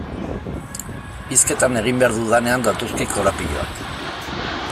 Hizketan egin behar dudanean datozkit korapiloak.